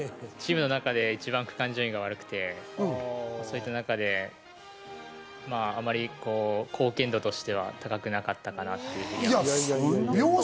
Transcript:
チームの中で一番、区間順位が悪くて、そういった中であまり貢献度としては高くなかったかなというふうに思います。